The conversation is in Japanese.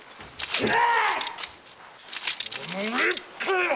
斬れ！